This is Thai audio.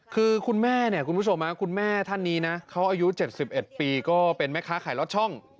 คือคุณแม่เนี่ยคุณผู้ชมคุณแม่ท่านนี้นะเขาอายุ๗๑ปีก็เป็นแม่ค้าขายล็อตช่อง